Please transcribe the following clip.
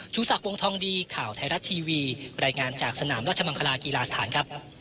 สักวงทองดีข่าวไทยรัฐทีวีรายงานจากสนามราชมังคลากีฬาสถานครับ